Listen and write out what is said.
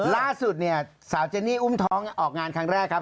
ล่าสุดเนี่ยสาวเจนี่อุ้มท้องออกงานครั้งแรกครับ